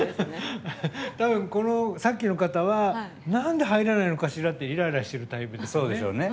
多分、このさっきの方はなんで入らないのかしらってイライラしてるタイプですよね。